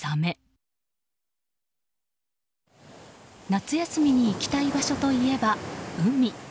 夏休みに行きたい場所といえば海。